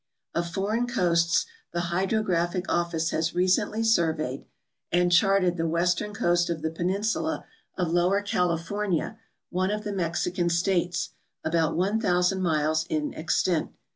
Of foreign coasts, the Hydrographic Office has recently surveyed and charted the western coast of the peninsula of Lower California, one of the Mexican states, about 1,000 miles in extent.